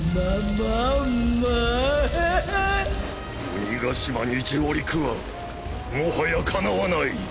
鬼ヶ島に上陸はもはやかなわない。